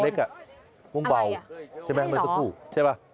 เหล็กอ่ะม่วงเบาใช่ไหมมันสักครู่ใช่ป่ะ